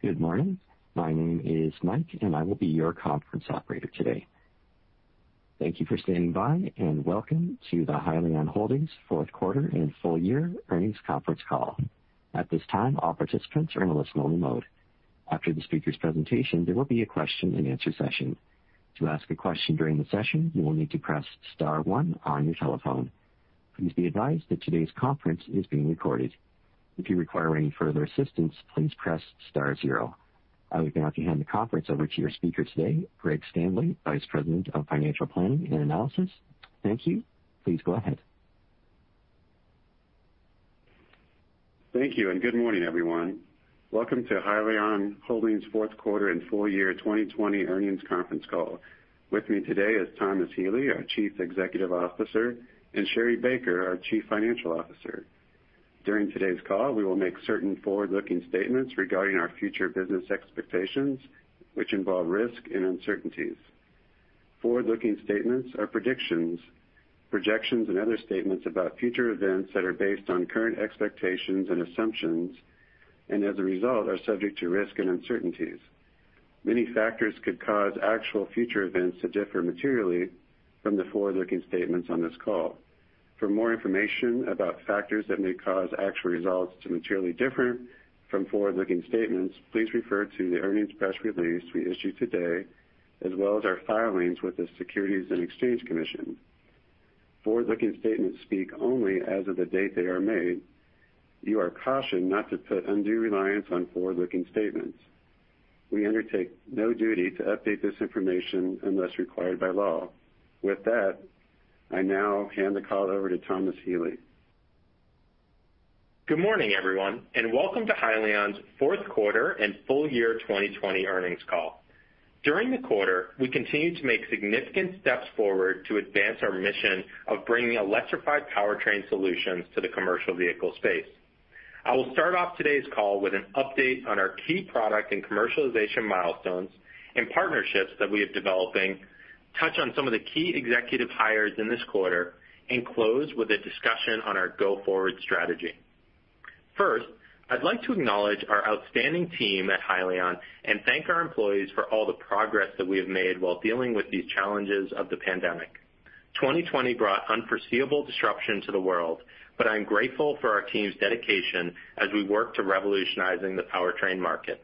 Good morning. My name is Mike, and I will be your conference operator today. Thank you for standing by, and welcome to the Hyliion Holdings fourth quarter and full year earnings conference call. At this time, all participants are in a listen-only mode. After the speaker's presentation, there will be a Q&A session. To ask a question during the session, you will need to press star one on your telephone. Please be advised that today's conference is being recorded. If you require any further assistance, please press star zero. I would now like to hand the conference over to your speaker today, Greg Standley, Vice President of Financial Planning and Analysis. Thank you. Please go ahead. Thank you, good morning, everyone. Welcome to Hyliion Holdings fourth quarter and full year 2020 earnings conference call. With me today is Thomas Healy, our Chief Executive Officer, and Sherri Baker, our Chief Financial Officer. During today's call, we will make certain forward-looking statements regarding our future business expectations, which involve risk and uncertainties. Forward-looking statements are predictions, projections, and other statements about future events that are based on current expectations and assumptions, and as a result, are subject to risk and uncertainties. Many factors could cause actual future events to differ materially from the forward-looking statements on this call. For more information about factors that may cause actual results to materially differ from forward-looking statements, please refer to the earnings press release we issued today, as well as our filings with the Securities and Exchange Commission. Forward-looking statements speak only as of the date they are made. You are cautioned not to put undue reliance on forward-looking statements. We undertake no duty to update this information unless required by law. With that, I now hand the call over to Thomas Healy. Good morning, everyone, and welcome to Hyliion's fourth quarter and full year 2020 earnings call. During the quarter, we continued to make significant steps forward to advance our mission of bringing electrified powertrain solutions to the commercial vehicle space. I will start off today's call with an update on our key product and commercialization milestones and partnerships that we are developing, touch on some of the key executive hires in this quarter, and close with a discussion on our go-forward strategy. First, I'd like to acknowledge our outstanding team at Hyliion and thank our employees for all the progress that we have made while dealing with the challenges of the pandemic. 2020 brought unforeseeable disruption to the world, but I am grateful for our team's dedication as we work to revolutionizing the powertrain market.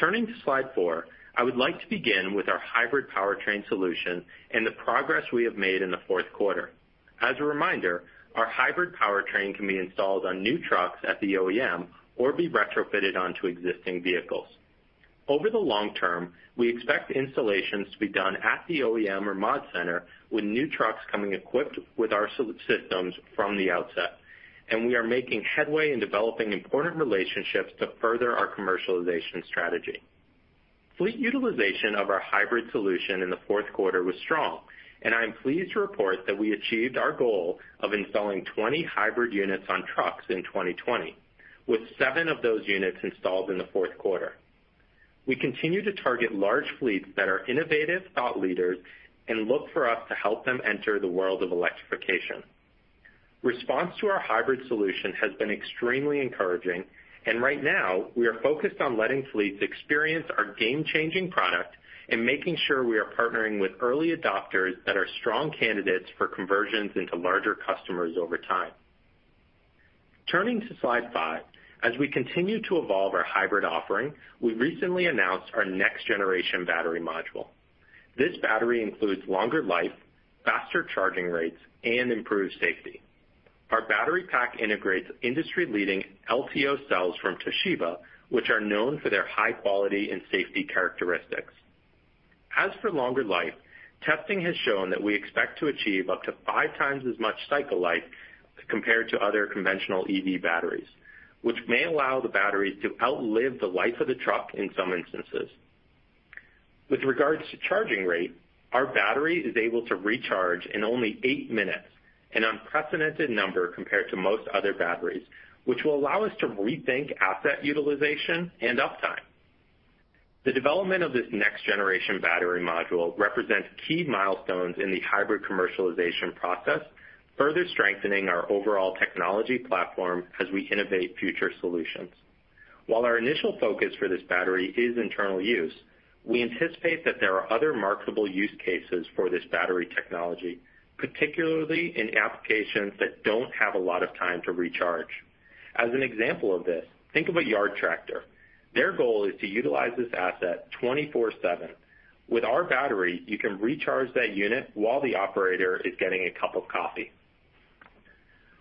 Turning to Slide four, I would like to begin with our hybrid powertrain solution and the progress we have made in the fourth quarter. As a reminder, our hybrid powertrain can be installed on new trucks at the OEM or be retrofitted onto existing vehicles. Over the long term, we expect installations to be done at the OEM or mod center with new trucks coming equipped with our systems from the outset, and we are making headway in developing important relationships to further our commercialization strategy. Fleet utilization of our hybrid solution in the fourth quarter was strong, and I am pleased to report that we achieved our goal of installing 20 hybrid units on trucks in 2020, with seven of those units installed in the fourth quarter. We continue to target large fleets that are innovative thought leaders and look for us to help them enter the world of electrification. Response to our hybrid solution has been extremely encouraging. Right now, we are focused on letting fleets experience our game-changing product and making sure we are partnering with early adopters that are strong candidates for conversions into larger customers over time. Turning to Slide five. As we continue to evolve our hybrid offering, we recently announced our next-generation battery module. This battery includes longer life, faster charging rates, and improved safety. Our battery pack integrates industry-leading LTO cells from Toshiba, which are known for their high quality and safety characteristics. As for longer life, testing has shown that we expect to achieve up to 5x as much cycle life compared to other conventional EV batteries, which may allow the batteries to outlive the life of the truck in some instances. With regards to charging rate, our battery is able to recharge in only eight minutes, an unprecedented number compared to most other batteries, which will allow us to rethink asset utilization and uptime. The development of this next-generation battery module represents key milestones in the hybrid commercialization process, further strengthening our overall technology platform as we innovate future solutions. While our initial focus for this battery is internal use, we anticipate that there are other marketable use cases for this battery technology, particularly in applications that don't have a lot of time to recharge. As an example of this, think of a yard tractor. Their goal is to utilize this asset 24/7. With our battery, you can recharge that unit while the operator is getting a cup of coffee.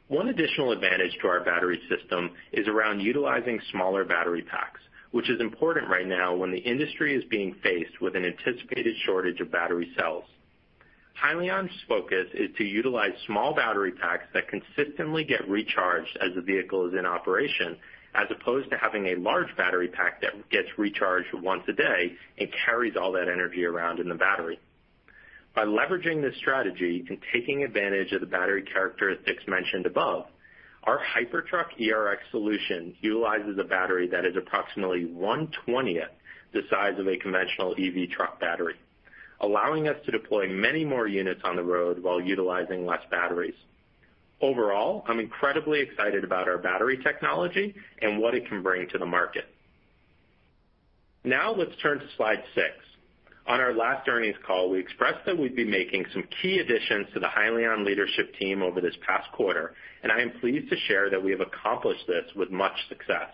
One additional advantage to our battery system is around utilizing smaller battery packs, which is important right now when the industry is being faced with an anticipated shortage of battery cells. Hyliion's focus is to utilize small battery packs that consistently get recharged as the vehicle is in operation, as opposed to having a large battery pack that gets recharged once a day and carries all that energy around in the battery. By leveraging this strategy and taking advantage of the battery characteristics mentioned above, our Hypertruck ERX solution utilizes a battery that is approximately one-twentieth the size of a conventional EV truck battery, allowing us to deploy many more units on the road while utilizing less batteries. Overall, I'm incredibly excited about our battery technology and what it can bring to the market. Now let's turn to Slide six. On our last earnings call, we expressed that we'd be making some key additions to the Hyliion leadership team over this past quarter, and I am pleased to share that we have accomplished this with much success.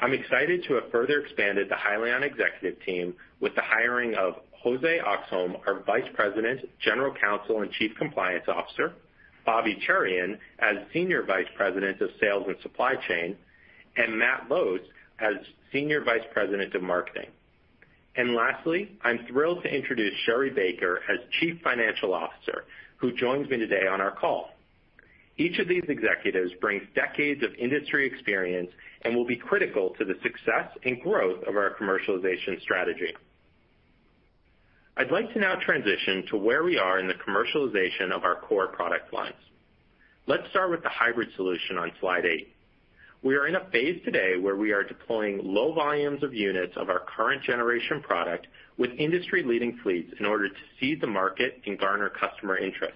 I'm excited to have further expanded the Hyliion executive team with the hiring of Jose Oxholm, our Vice President, General Counsel, and Chief Compliance Officer, Bobby Cherian as Senior Vice President of Sales and Supply Chain, and Matt Loos as Senior Vice President of Marketing. Lastly, I'm thrilled to introduce Sherri Baker as Chief Financial Officer, who joins me today on our call. Each of these executives brings decades of industry experience and will be critical to the success and growth of our commercialization strategy. I'd like to now transition to where we are in the commercialization of our core product lines. Let's start with the hybrid solution on Slide eight. We are in a phase today where we are deploying low volumes of units of our current generation product with industry-leading fleets in order to seed the market and garner customer interest.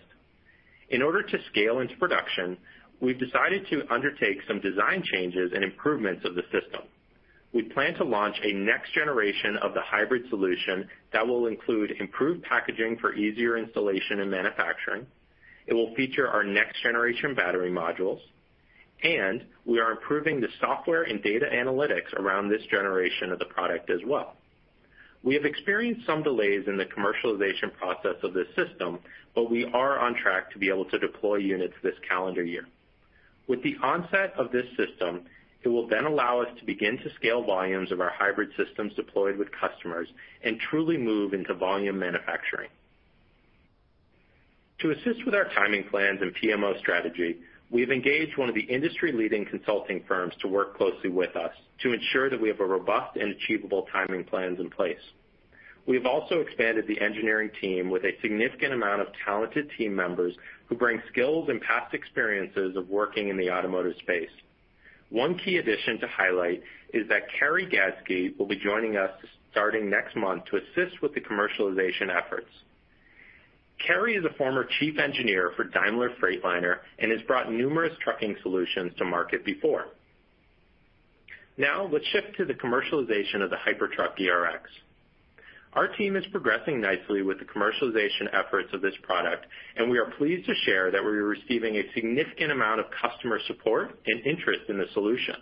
In order to scale into production, we've decided to undertake some design changes and improvements of the system. We plan to launch a next generation of the hybrid solution that will include improved packaging for easier installation and manufacturing. It will feature our next generation battery modules, and we are improving the software and data analytics around this generation of the product as well. We have experienced some delays in the commercialization process of this system, but we are on track to be able to deploy units this calendar year. With the onset of this system, it will then allow us to begin to scale volumes of our hybrid systems deployed with customers and truly move into volume manufacturing. To assist with our timing plans and PMO strategy, we have engaged one of the industry leading consulting firms to work closely with us to ensure that we have a robust and achievable timing plans in place. We have also expanded the engineering team with a significant amount of talented team members who bring skills and past experiences of working in the automotive space. One key addition to highlight is that Kerry Gadske will be joining us starting next month to assist with the commercialization efforts. Kerry is a former chief engineer for Daimler Freightliner and has brought numerous trucking solutions to market before. Now let's shift to the commercialization of the Hypertruck ERX. Our team is progressing nicely with the commercialization efforts of this product, and we are pleased to share that we are receiving a significant amount of customer support and interest in the solution.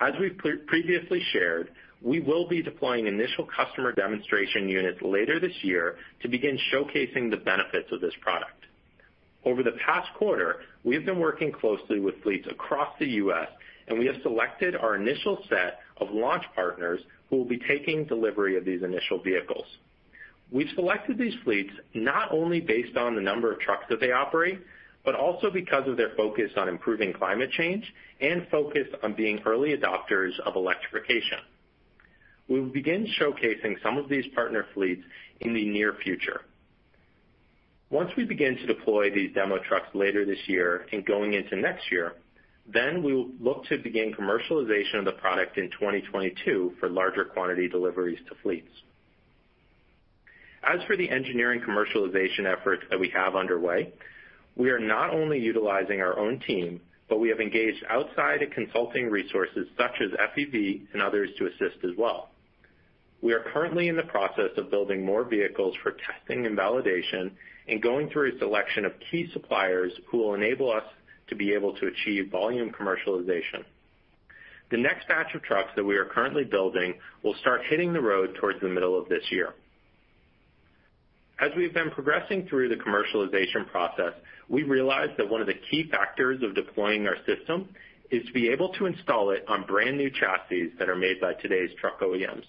As we've previously shared, we will be deploying initial customer demonstration units later this year to begin showcasing the benefits of this product. Over the past quarter, we have been working closely with fleets across the U.S., and we have selected our initial set of launch partners who will be taking delivery of these initial vehicles. We've selected these fleets not only based on the number of trucks that they operate, but also because of their focus on improving climate change and focus on being early adopters of electrification. We will begin showcasing some of these partner fleets in the near future. Once we begin to deploy these demo trucks later this year and going into next year, then we will look to begin commercialization of the product in 2022 for larger quantity deliveries to fleets. As for the engineering commercialization efforts that we have underway, we are not only utilizing our own team, but we have engaged outside consulting resources such as FEV and others to assist as well. We are currently in the process of building more vehicles for testing and validation and going through a selection of key suppliers who will enable us to be able to achieve volume commercialization. The next batch of trucks that we are currently building will start hitting the road towards the middle of this year. As we've been progressing through the commercialization process, we realized that one of the key factors of deploying our system is to be able to install it on brand-new chassis that are made by today's truck OEMs.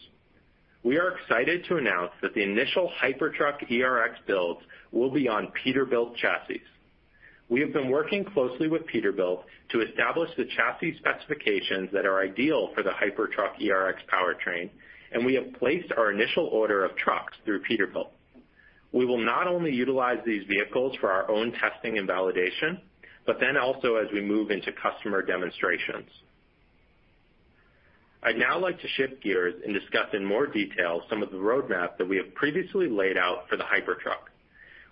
We are excited to announce that the initial Hypertruck ERX builds will be on Peterbilt chassis. We have been working closely with Peterbilt to establish the chassis specifications that are ideal for the Hypertruck ERX powertrain, and we have placed our initial order of trucks through Peterbilt. We will not only utilize these vehicles for our own testing and validation, but then also as we move into customer demonstrations. I'd now like to shift gears and discuss in more detail some of the roadmap that we have previously laid out for the Hypertruck.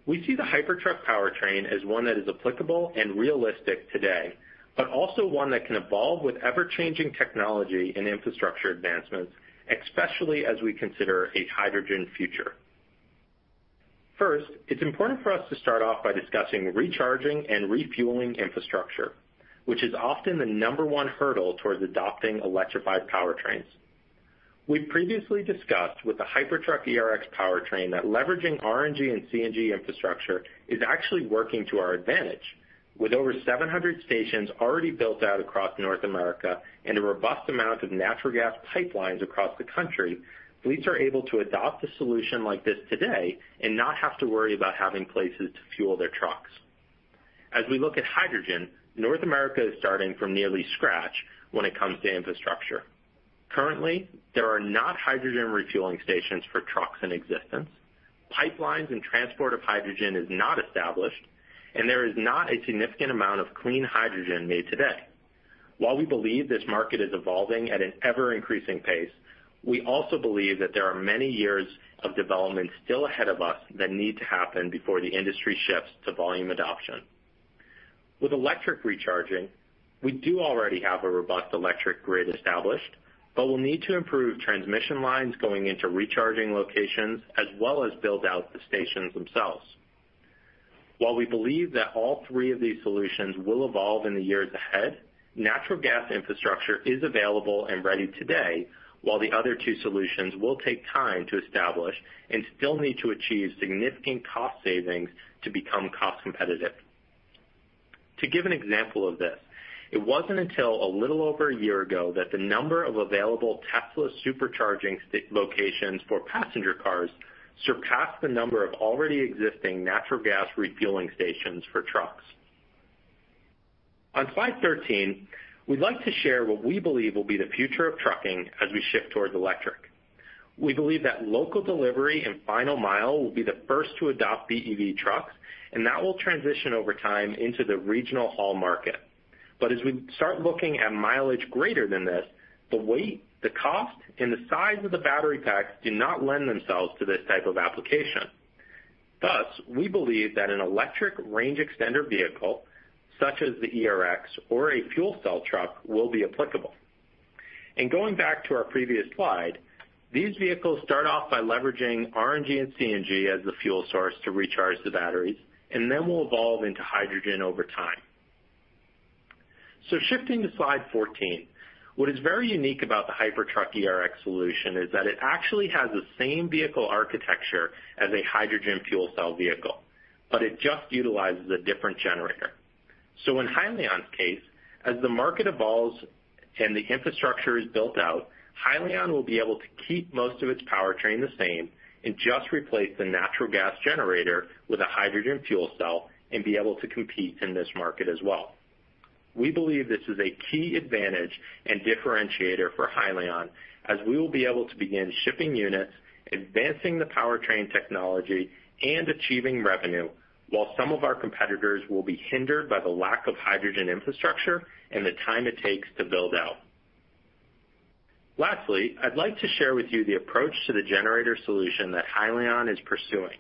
We see the Hypertruck powertrain as one that is applicable and realistic today, but also one that can evolve with ever-changing technology and infrastructure advancements, especially as we consider a hydrogen future. First, it's important for us to start off by discussing recharging and refueling infrastructure, which is often the number one hurdle towards adopting electrified powertrains. We previously discussed with the Hypertruck ERX powertrain that leveraging RNG and CNG infrastructure is actually working to our advantage. With over 700 stations already built out across North America and a robust amount of natural gas pipelines across the country, fleets are able to adopt a solution like this today and not have to worry about having places to fuel their trucks. As we look at hydrogen, North America is starting from nearly scratch when it comes to infrastructure. Currently, there are not hydrogen refueling stations for trucks in existence, pipelines and transport of hydrogen is not established, and there is not a significant amount of clean hydrogen made today. While we believe this market is evolving at an ever-increasing pace, we also believe that there are many years of development still ahead of us that need to happen before the industry shifts to volume adoption. With electric recharging, we do already have a robust electric grid established, we'll need to improve transmission lines going into recharging locations, as well as build out the stations themselves. While we believe that all three of these solutions will evolve in the years ahead, natural gas infrastructure is available and ready today, while the other two solutions will take time to establish and still need to achieve significant cost savings to become cost competitive. To give an example of this, it wasn't until a little over a year ago that the number of available Tesla Supercharging locations for passenger cars surpassed the number of already existing natural gas refueling stations for trucks. On Slide 13, we'd like to share what we believe will be the future of trucking as we shift towards electric. We believe that local delivery and final mile will be the first to adopt BEV trucks, that will transition over time into the regional haul market. As we start looking at mileage greater than this, the weight, the cost, and the size of the battery packs do not lend themselves to this type of application. Thus, we believe that an electric range extender vehicle, such as the ERX or a fuel cell truck, will be applicable. Going back to our previous slide, these vehicles start off by leveraging RNG and CNG as the fuel source to recharge the batteries, then will evolve into hydrogen over time. Shifting to Slide 14, what is very unique about the Hypertruck ERX solution is that it actually has the same vehicle architecture as a hydrogen fuel cell vehicle, it just utilizes a different generator. In Hyliion's case, as the market evolves and the infrastructure is built out, Hyliion will be able to keep most of its powertrain the same and just replace the natural gas generator with a hydrogen fuel cell and be able to compete in this market as well. We believe this is a key advantage and differentiator for Hyliion, as we will be able to begin shipping units, advancing the powertrain technology, and achieving revenue while some of our competitors will be hindered by the lack of hydrogen infrastructure and the time it takes to build out. Lastly, I'd like to share with you the approach to the generator solution that Hyliion is pursuing.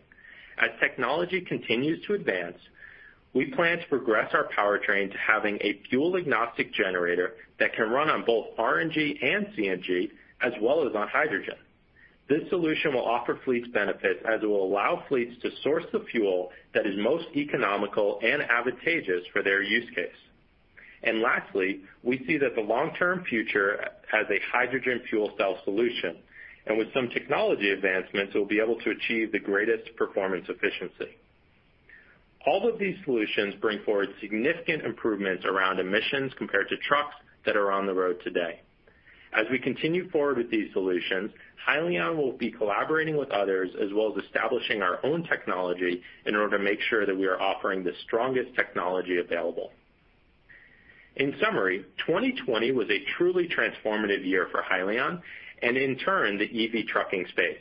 As technology continues to advance, we plan to progress our powertrain to having a fuel-agnostic generator that can run on both RNG and CNG, as well as on hydrogen. This solution will offer fleets benefits as it will allow fleets to source the fuel that is most economical and advantageous for their use case. Lastly, we see that the long-term future as a hydrogen fuel cell solution, and with some technology advancements, we'll be able to achieve the greatest performance efficiency. All of these solutions bring forward significant improvements around emissions compared to trucks that are on the road today. As we continue forward with these solutions, Hyliion will be collaborating with others as well as establishing our own technology in order to make sure that we are offering the strongest technology available. In summary, 2020 was a truly transformative year for Hyliion and in turn, the EV trucking space.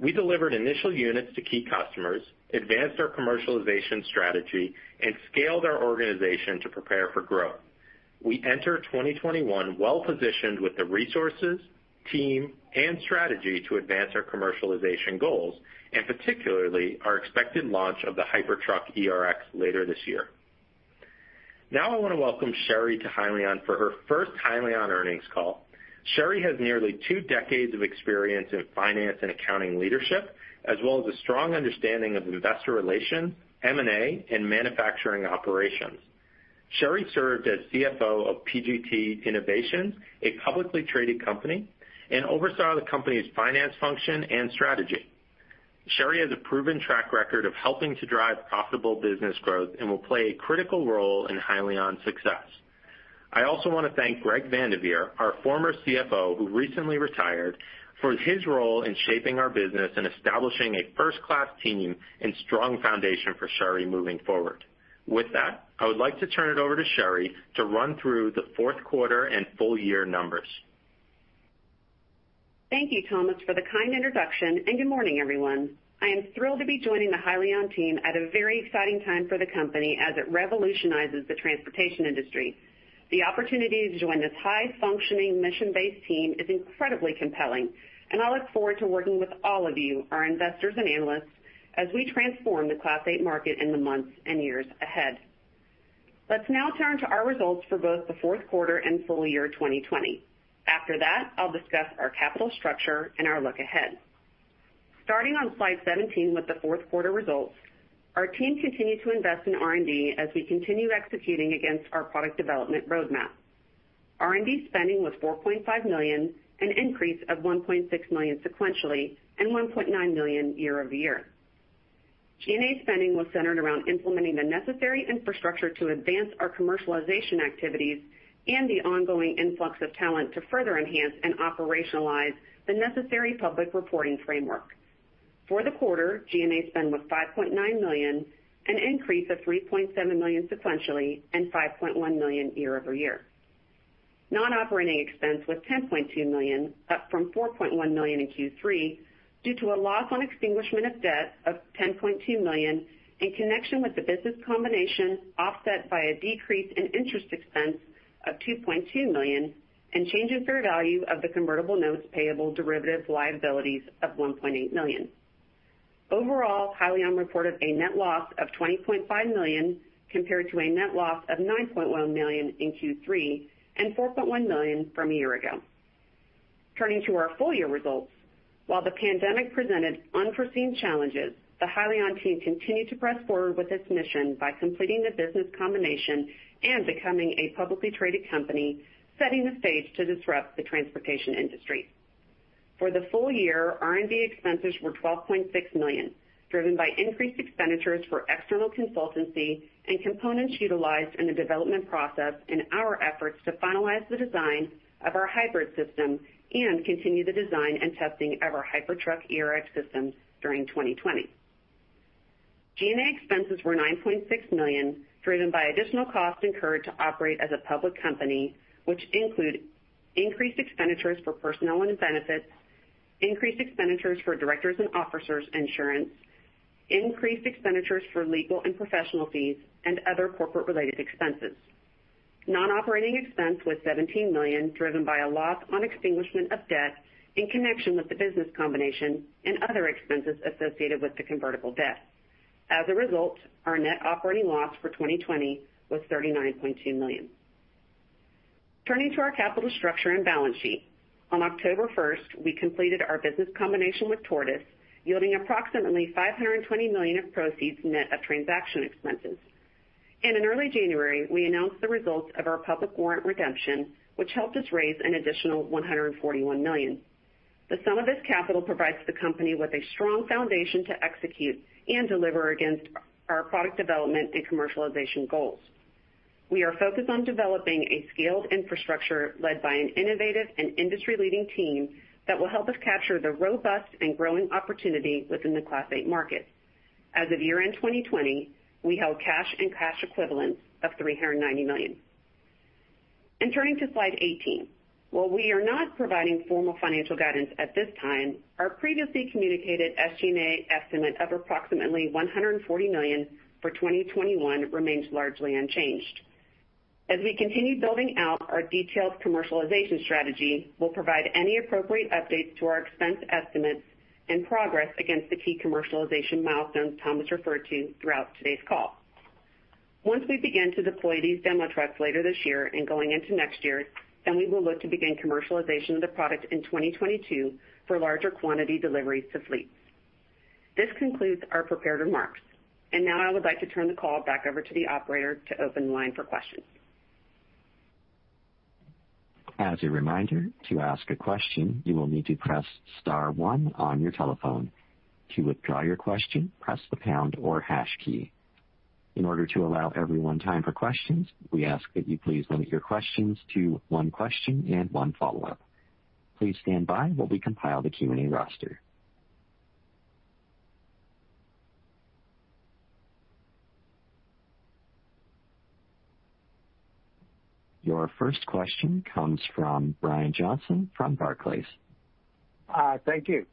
We delivered initial units to key customers, advanced our commercialization strategy, and scaled our organization to prepare for growth. We enter 2021 well positioned with the resources, team, and strategy to advance our commercialization goals, and particularly our expected launch of the Hypertruck ERX later this year. Now I want to welcome Sherri to Hyliion for her first Hyliion earnings call. Sherri has nearly two decades of experience in finance and accounting leadership, as well as a strong understanding of investor relations, M&A, and manufacturing operations. Sherri served as CFO of PGT Innovations, a publicly traded company, and oversaw the company's finance function and strategy. Sherri has a proven track record of helping to drive profitable business growth and will play a critical role in Hyliion's success. I also want to thank Greg Van de Vere, our former CFO, who recently retired, for his role in shaping our business and establishing a first-class team and strong foundation for Sherri moving forward. With that, I would like to turn it over to Sherri to run through the fourth quarter and full year numbers. Thank you, Thomas, for the kind introduction, and good morning, everyone. I am thrilled to be joining the Hyliion team at a very exciting time for the company as it revolutionizes the transportation industry. The opportunity to join this high-functioning, mission-based team is incredibly compelling, and I look forward to working with all of you, our investors and analysts, as we transform the Class 8 market in the months and years ahead. Let's now turn to our results for both the fourth quarter and full year 2020. After that, I'll discuss our capital structure and our look ahead. Starting on Slide 17 with the fourth quarter results, our team continued to invest in R&D as we continue executing against our product development roadmap. R&D spending was $4.5 million, an increase of $1.6 million sequentially and $1.9 million year-over-year. G&A spending was centered around implementing the necessary infrastructure to advance our commercialization activities and the ongoing influx of talent to further enhance and operationalize the necessary public reporting framework. For the quarter, G&A spend was $5.9 million, an increase of $3.7 million sequentially and $5.1 million year-over-year. Non-operating expense was $10.2 million, up from $4.1 million in Q3, due to a loss on extinguishment of debt of $10.2 million in connection with the business combination, offset by a decrease in interest expense of $2.2 million and change in fair value of the convertible notes payable derivative liabilities of $1.8 million. Overall, Hyliion reported a net loss of $20.5 million, compared to a net loss of $9.1 million in Q3 and $4.1 million from a year ago. Turning to our full year results. While the pandemic presented unforeseen challenges, the Hyliion team continued to press forward with its mission by completing the business combination and becoming a publicly traded company, setting the stage to disrupt the transportation industry. For the full year, R&D expenses were $12.6 million, driven by increased expenditures for external consultancy and components utilized in the development process in our efforts to finalize the design of our hybrid system and continue the design and testing of our Hypertruck ERX systems during 2020. G&A expenses were $9.6 million, driven by additional costs incurred to operate as a public company, which include increased expenditures for personnel and benefits, increased expenditures for directors' and officers' insurance, increased expenditures for legal and professional fees, and other corporate related expenses. Non-operating expense was $17 million, driven by a loss on extinguishment of debt in connection with the business combination and other expenses associated with the convertible debt. As a result, our net operating loss for 2020 was $39.2 million. Turning to our capital structure and balance sheet. On October 1st, we completed our business combination with Tortoise, yielding approximately $520 million of proceeds net of transaction expenses. In early January, we announced the results of our public warrant redemption, which helped us raise an additional $141 million. The sum of this capital provides the company with a strong foundation to execute and deliver against our product development and commercialization goals. We are focused on developing a scaled infrastructure led by an innovative and industry-leading team that will help us capture the robust and growing opportunity within the Class 8 market. As of year-end 2020, we held cash and cash equivalents of $390 million. Turning to Slide 18. While we are not providing formal financial guidance at this time, our previously communicated SG&A estimate of approximately $140 million for 2021 remains largely unchanged. As we continue building out our detailed commercialization strategy, we'll provide any appropriate updates to our expense estimates and progress against the key commercialization milestones Tom has referred to throughout today's call. Once we begin to deploy these demo trucks later this year and going into next year, then we will look to begin commercialization of the product in 2022 for larger quantity deliveries to fleets. This concludes our prepared remarks. Now I would like to turn the call back over to the operator to open the line for questions. As a reminder, to ask a question, you will need to press star one on your telephone. To withdraw your question, press the pound or hash key. In order to allow everyone time for questions, we ask that you please limit your questions to one question and one follow-up. Please stand by while we compile the Q&A roster. Your first question comes from Brian Johnson from Barclays. Thank you.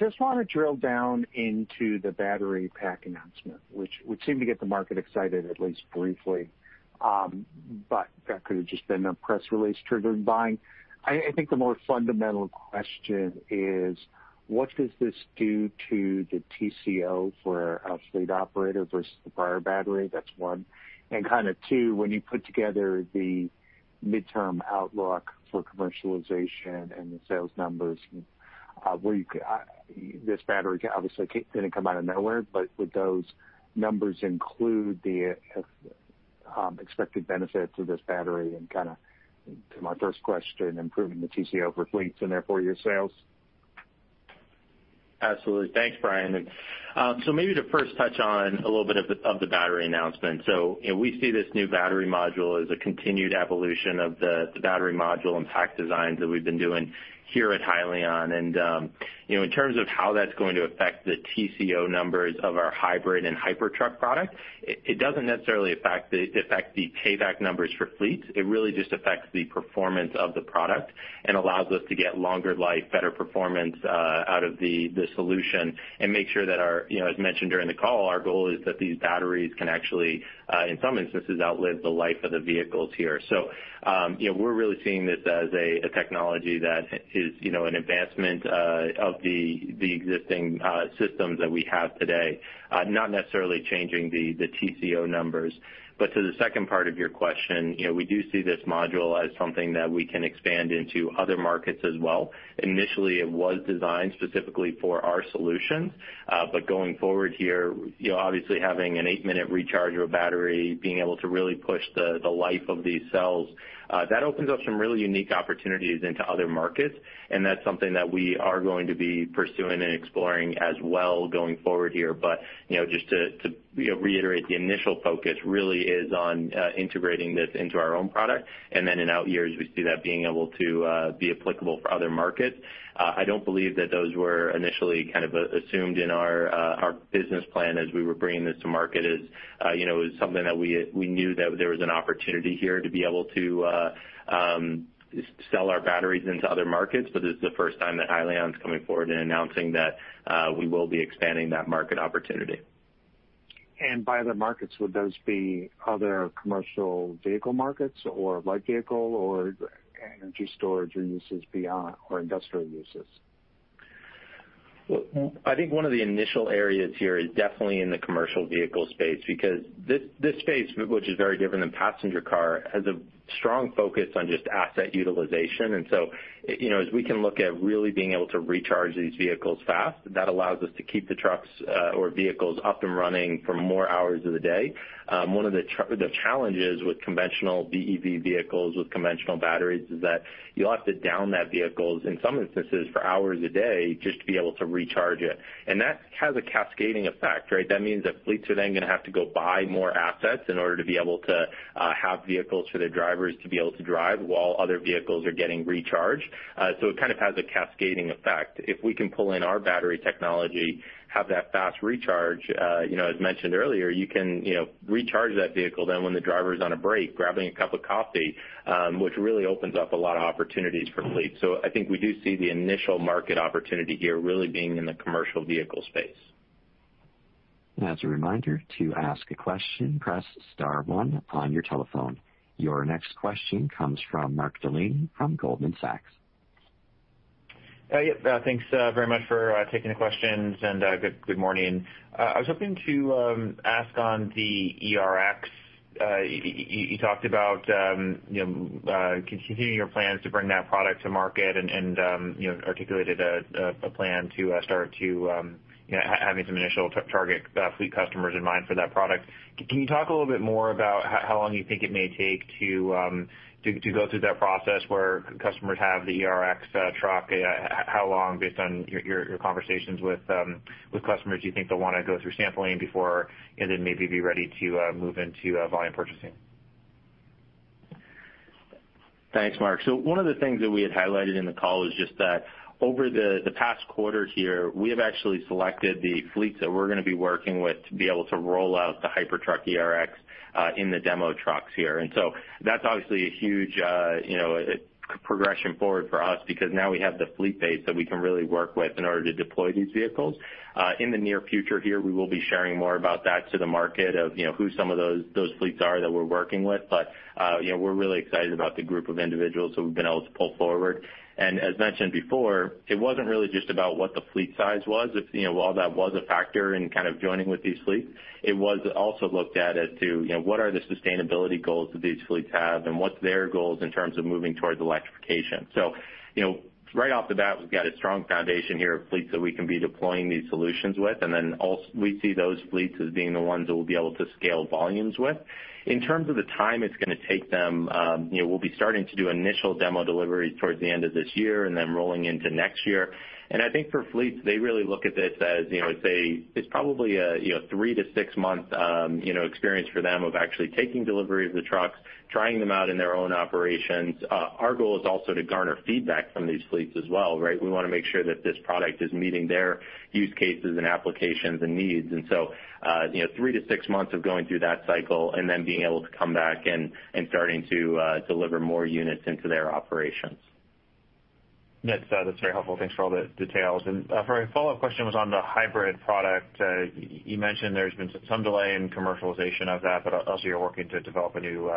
Just want to drill down into the battery pack announcement, which would seem to get the market excited, at least briefly, but that could have just been a press release triggering buying. I think the more fundamental question is, what does this do to the TCO for a fleet operator versus the prior battery? That's one. Two, when you put together the midterm outlook for commercialization and the sales numbers, this battery obviously didn't come out of nowhere, but would those numbers include the expected benefit to this battery and, to my first question, improving the TCO for fleets and therefore your sales? Absolutely. Thanks, Brian. Maybe to first touch on a little bit of the battery announcement. We see this new battery module as a continued evolution of the battery module and pack designs that we've been doing here at Hyliion. In terms of how that's going to affect the TCO numbers of our hybrid and Hypertruck product, it doesn't necessarily affect the payback numbers for fleets. It really just affects the performance of the product and allows us to get longer life, better performance out of the solution and make sure that, as mentioned during the call, our goal is that these batteries can actually, in some instances, outlive the life of the vehicles here. We're really seeing this as a technology that is an advancement of the existing systems that we have today, not necessarily changing the TCO numbers. To the second part of your question, we do see this module as something that we can expand into other markets as well. Initially, it was designed specifically for our solutions. Going forward here, obviously having an eight-minute rechargeable battery, being able to really push the life of these cells, that opens up some really unique opportunities into other markets, and that's something that we are going to be pursuing and exploring as well going forward here. Just to reiterate, the initial focus really is on integrating this into our own product, and then in out years, we see that being able to be applicable for other markets. I don't believe that those were initially assumed in our business plan as we were bringing this to market. It was something that we knew that there was an opportunity here to be able to sell our batteries into other markets, but this is the first time that Hyliion's coming forward and announcing that we will be expanding that market opportunity. By other markets, would those be other commercial vehicle markets or light vehicle or energy storage or uses beyond or industrial uses? Well, I think one of the initial areas here is definitely in the commercial vehicle space because this space, which is very different than passenger car, has a strong focus on just asset utilization. As we can look at really being able to recharge these vehicles fast, that allows us to keep the trucks or vehicles up and running for more hours of the day. One of the challenges with conventional BEV vehicles with conventional batteries is that you'll have to down that vehicles in some instances for hours a day just to be able to recharge it. That has a cascading effect, right? That means that fleets are then going to have to go buy more assets in order to be able to have vehicles for their drivers to be able to drive while other vehicles are getting recharged. It kind of has a cascading effect. If we can pull in our battery technology, have that fast recharge, as mentioned earlier, you can recharge that vehicle then when the driver's on a break grabbing a cup of coffee, which really opens up a lot of opportunities for fleets. I think we do see the initial market opportunity here really being in the commercial vehicle space. As a reminder, to ask a question, press star one on your telephone. Your next question comes from Mark Delaney from Goldman Sachs. Yeah. Thanks very much for taking the questions. Good morning. I was hoping to ask on the ERX. You talked about continuing your plans to bring that product to market and articulated a plan to start to having some initial target fleet customers in mind for that product. Can you talk a little bit more about how long you think it may take to go through that process where customers have the ERX truck? How long based on your conversations with customers do you think they'll want to go through sampling before and then maybe be ready to move into volume purchasing? Thanks, Mark. One of the things that we had highlighted in the call is just that over the past quarter here, we have actually selected the fleets that we're going to be working with to be able to roll out the Hypertruck ERX in the demo trucks here. That's obviously a huge progression forward for us because now we have the fleet base that we can really work with in order to deploy these vehicles. In the near future here, we will be sharing more about that to the market of who some of those fleets are that we're working with. We're really excited about the group of individuals who we've been able to pull forward. As mentioned before, it wasn't really just about what the fleet size was. While that was a factor in kind of joining with these fleets, it was also looked at as to what are the sustainability goals that these fleets have and what's their goals in terms of moving towards electrification. Right off the bat, we've got a strong foundation here of fleets that we can be deploying these solutions with. Then we see those fleets as being the ones that we'll be able to scale volumes with. In terms of the time it's going to take them, we'll be starting to do initial demo deliveries towards the end of this year and then rolling into next year. I think for fleets, they really look at this as it's probably a three to six-month experience for them of actually taking delivery of the trucks, trying them out in their own operations. Our goal is also to garner feedback from these fleets as well, right? We want to make sure that this product is meeting their use cases and applications and needs. Three to six months of going through that cycle and then being able to come back and starting to deliver more units into their operations. That's very helpful. Thanks for all the details. For a follow-up question was on the hybrid product. You mentioned there's been some delay in commercialization of that, but also you're working to develop a new,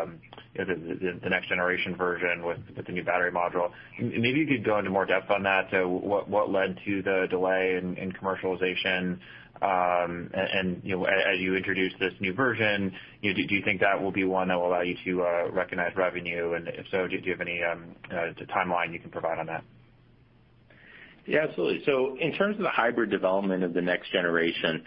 the next generation version with the new battery module. Maybe you could go into more depth on that. What led to the delay in commercialization? As you introduce this new version, do you think that will be one that will allow you to recognize revenue? If so, do you have any timeline you can provide on that? Yeah, absolutely. In terms of the hybrid development of the next generation,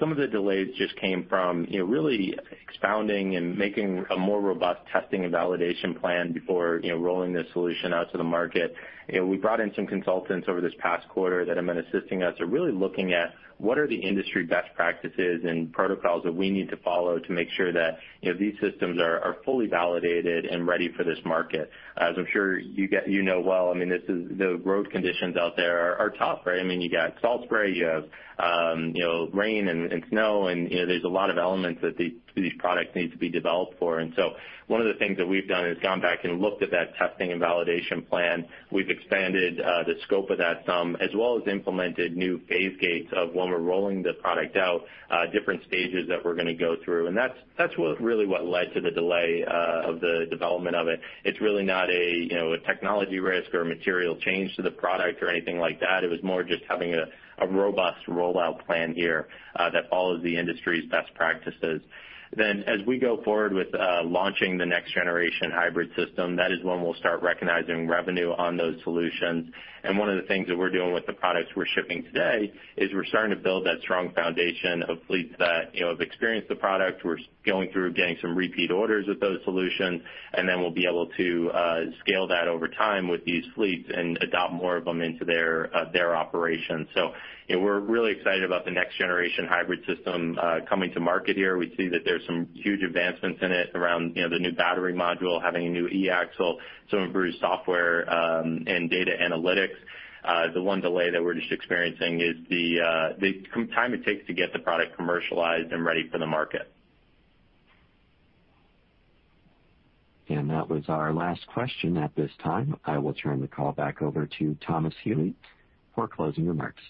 some of the delays just came from really expounding and making a more robust testing and validation plan before rolling this solution out to the market. We brought in some consultants over this past quarter that have been assisting us are really looking at what are the industry best practices and protocols that we need to follow to make sure that these systems are fully validated and ready for this market. As I'm sure you know well, I mean, the road conditions out there are tough, right? I mean, you got salt spray, you have rain and snow and there's a lot of elements that these products need to be developed for. One of the things that we've done is gone back and looked at that testing and validation plan. We've expanded the scope of that some as well as implemented new phase gates of when we're rolling the product out, different stages that we're going to go through. That's really what led to the delay of the development of it. It's really not a technology risk or a material change to the product or anything like that. It was more just having a robust rollout plan here that follows the industry's best practices. As we go forward with launching the next generation hybrid system, that is when we'll start recognizing revenue on those solutions. One of the things that we're doing with the products we're shipping today is we're starting to build that strong foundation of fleets that have experienced the product. We're going through getting some repeat orders with those solutions, and then we'll be able to scale that over time with these fleets and adopt more of them into their operations. We're really excited about the next generation hybrid system coming to market here. We see that there's some huge advancements in it around the new battery module, having a new e-axle, some improved software, and data analytics. The one delay that we're just experiencing is the time it takes to get the product commercialized and ready for the market. That was our last question at this time. I will turn the call back over to Thomas Healy for closing remarks.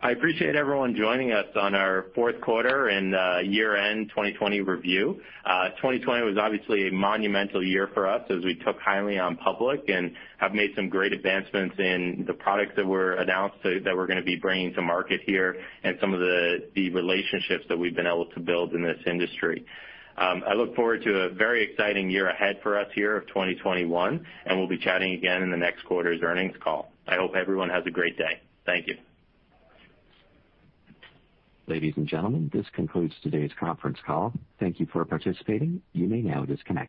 I appreciate everyone joining us on our fourth quarter and year-end 2020 review. 2020 was obviously a monumental year for us as we took Hyliion public and have made some great advancements in the products that were announced that we're going to be bringing to market here and some of the relationships that we've been able to build in this industry. I look forward to a very exciting year ahead for us here of 2021, and we'll be chatting again in the next quarter's earnings call. I hope everyone has a great day. Thank you. Ladies and gentlemen, this concludes today's conference call. Thank you for participating. You may now disconnect.